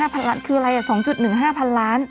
พันล้านคืออะไร๒๑๕พันล้าน